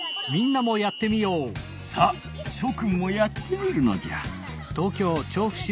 さあしょくんもやってみるのじゃ。